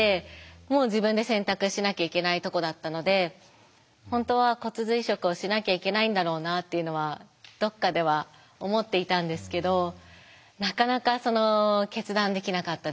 もう自分で選択しなきゃいけないとこだったので本当は骨髄移植をしなきゃいけないんだろうなっていうのはどっかでは思っていたんですけどなかなかその決断できなかったですね。